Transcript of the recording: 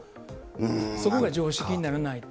そこが常識にならないと。